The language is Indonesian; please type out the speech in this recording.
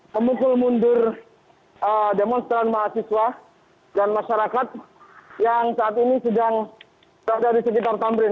memukul mundur demonstran mahasiswa dan masyarakat yang saat ini sedang berada di sekitar tamrin